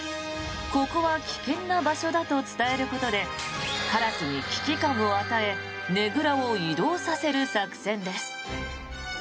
ここは危険な場所だと伝えることでカラスに危機感を与えねぐらを移動させる作戦です。